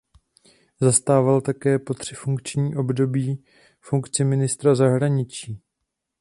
Zastával také po tři funkční období funkci ministra zahraničí.